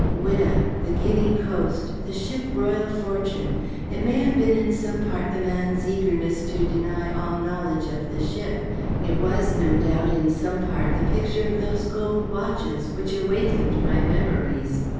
Whydah the Guinea coast the ship Royal Fortune! It may have been in some part the man's eagerness to deny all knowledge of the ship; it was, no doubt, in some part the picture of those gold watches, which awakened my memories.